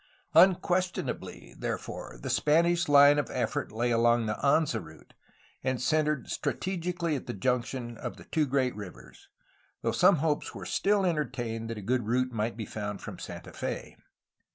Unquestionably, therefore, the Spanish line of effort lay along the Anza route, and centred strategically at the junc tion of the two great rivers, though some hopes were still entertained that a good route might be found from Santa Fe.